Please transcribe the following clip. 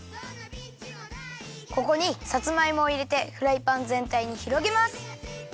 ここにさつまいもをいれてフライパンぜんたいにひろげます。